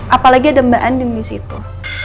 apalagi ada mbak andin disitu